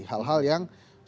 hal hal yang sebetulnya